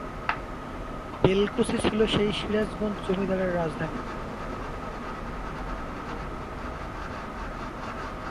বেলকুচি ছিল সেই সিরাজগঞ্জ জমিদারির রাজধানী।